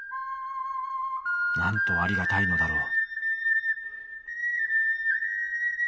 なんとありがたいのだろう」。